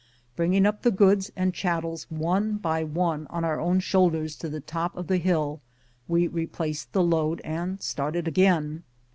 Bringing up the goods and chattels one by one on our own shoulders to the top of the hill, we replaced the load and started again.